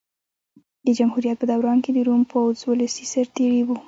د جمهوریت په دوران کې د روم پوځ ولسي سرتېري وو